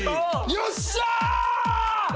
よっしゃー！